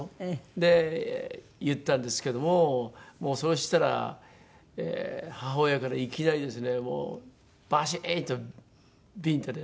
で言ったんですけどもそうしたら母親からいきなりですねもうバシーン！とビンタで。